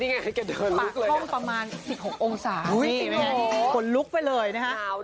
นี้เราก็สงครามนี้สิตามว่าปากห้องประมาณ๑๖องศาหงดลึกไปเลยนะครับ